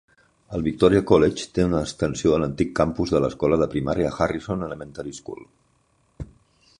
El Victoria College té una extensió a l'antic campus de l'escola de primària Harrison Elementary School.